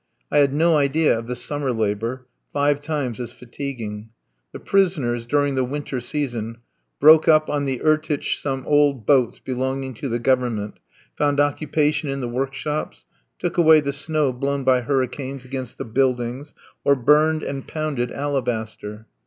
I had no idea of the summer labour five times as fatiguing. The prisoners, during the winter season, broke up on the Irtitch some old boats belonging to the Government, found occupation in the workshops, took away the snow blown by hurricanes against the buildings, or burned and pounded alabaster.